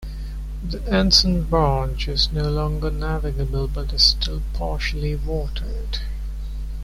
The Anson Branch is no longer navigable, but is still partially watered.